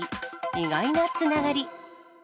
意外なつながり。